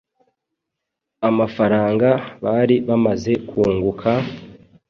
amafaranga bari bamaze kunguka,